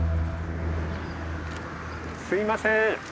すいません。